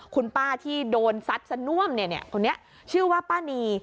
คุณป้าที่โดนซัดสน่วมคนนี้ชื่อว่าป้านี